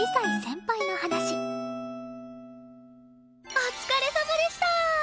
お疲れさまでした！